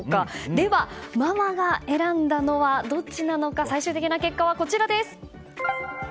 では、ママが選んだのはどっちなのか最終的な結果はこちらです。